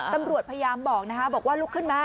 ตำรวจพยายามบอกนะคะบอกว่าลุกขึ้นมา